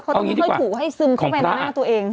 เขาต้องค่อยถูให้ซึมเข้าไปในหน้าตัวเอง